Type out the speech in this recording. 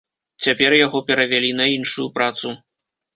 Цяпер яго перавялі на іншую працу.